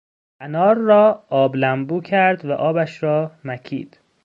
انار را آب لمبو کرد و آبش را مکید.